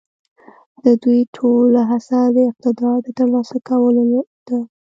د دوی ټوله هڅه د اقتدار د تر لاسه کولو ده.